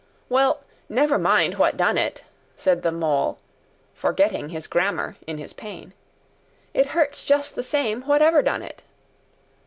"Well, never mind what done it," said the Mole, forgetting his grammar in his pain. "It hurts just the same, whatever done it."